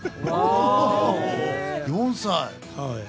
４歳。